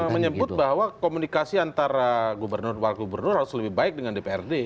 pdip pernah menyebut bahwa komunikasi antara gubernur wal gubernur harus lebih baik dengan dprd